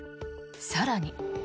更に。